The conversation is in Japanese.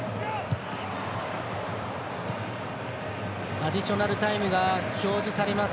アディショナルタイムが表示されます。